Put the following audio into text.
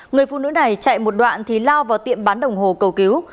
người phụ nữ này chạy một đoạn thì lao vào tiệm bán đồng hồ cầu cứu